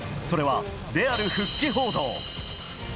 それはレアル復帰報道。